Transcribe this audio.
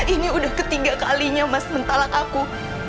ini udah ketiga kalinya mas men talak aku